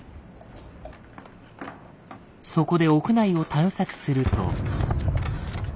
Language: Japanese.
そこで屋内を探索すると。